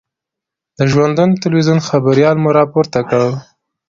د ژوندون تلویزون خبریال مو را پورته کړ.